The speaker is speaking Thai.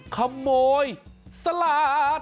ขโมยสลัด